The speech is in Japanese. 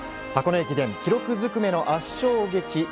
箱根駅伝、記録ずくめの圧勝劇。